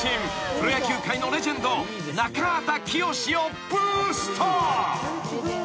［プロ野球界のレジェンド中畑清をブースト］